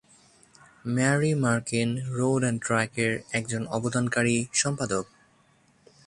Mary মার্কিন "road and ট্র্যাক"-এর একজন অবদানকারী সম্পাদক।